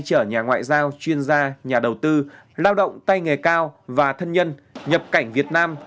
chở nhà ngoại giao chuyên gia nhà đầu tư lao động tay nghề cao và thân nhân nhập cảnh việt nam